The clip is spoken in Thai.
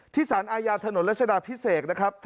สารอาญาถนนรัชดาพิเศษนะครับ